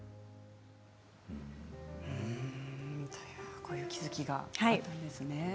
こういう気付きがあったんですね。